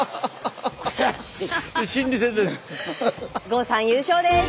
郷さん優勝です。